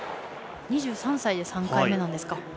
２３歳で３回目なんですか。